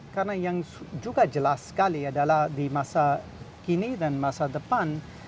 karena yang juga jelas sekali adalah di masa kini dan masa depan